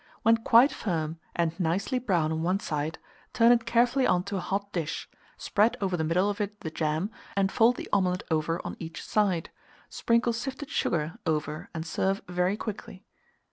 When quite firm, and nicely brown on one side, turn it carefully on to a hot dish, spread over the middle of it the jam, and fold the omelet over on each side; sprinkle sifted sugar over, and serve very quickly.